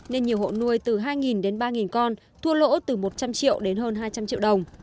nên nhiều hộ nuôi từ hai đến ba con thua lỗ từ một trăm linh triệu đến hơn hai trăm linh triệu đồng